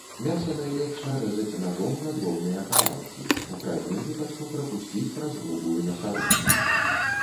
Мяса найлепш нарэзаць нажом на дробныя кавалкі, у крайнім выпадку прапусціць праз грубую мясарубку.